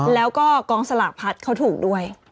แล้วก็กองสลากพัดเขาถูกด้วย